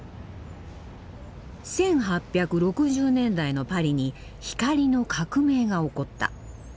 １８６０年代のパリに光の革命が起こった。